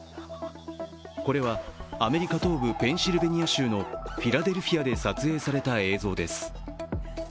これは、アメリカ東部ペンシルベニア州のフィラデルフィアで撮影された映像です。